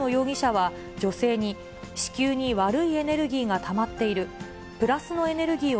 大野容疑者は、女性に子宮に悪いエネルギーがたまっている。